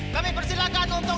kami persilakan untuk